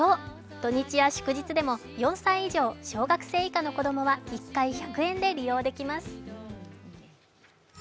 土日や祝日でも、４歳以上、小学生以下の子供は１回１００円で利用できます。